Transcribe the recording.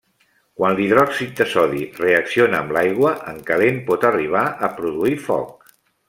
Quan l'hidròxid de sodi reacciona amb l'aigua, en calent pot arribar a produir foc.